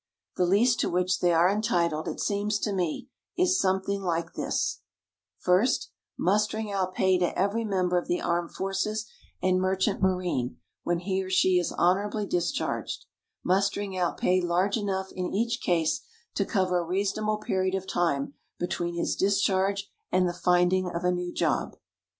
The least to which they are entitled, it seems to me, is something like this: First, mustering out pay to every member of the armed forces and merchant marine when he or she is honorably discharged; mustering out pay large enough in each case to cover a reasonable period of time between his discharge and the finding of a new job.